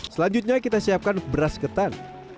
selanjutnya kita siapkan beras ketan